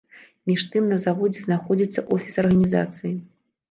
Між тым, на заводзе знаходзіцца офіс арганізацыі.